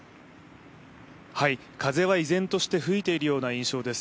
風は依然として吹いているような印象です。